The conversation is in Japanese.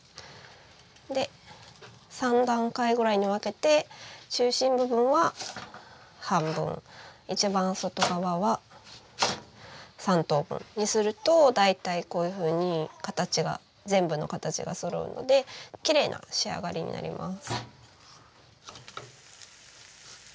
で３段階ぐらいに分けて中心部分は半分一番外側は３等分にすると大体こういうふうに形が全部の形がそろうのできれいな仕上がりになります。